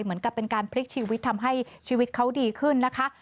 เหมือนกับเป็นการพลิกชีวิตทำให้ชีวิตเขาดีขึ้นนะคะ